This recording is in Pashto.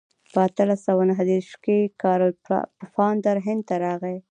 په اتلس سوه نهه دېرش کې کارل پفاندر هند ته راغی.